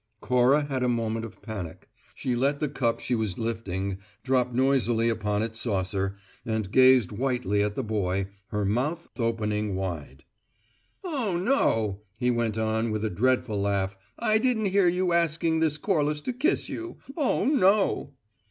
Cora had a moment of panic. She let the cup she was lifting drop noisily upon its saucer, and gazed whitely at the boy, her mouth opening wide. "Oh, no!" he went on, with a dreadful laugh. "I didn't hear you asking this Corliss to kiss you! Oh, no!"